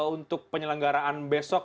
untuk penyelenggaraan besok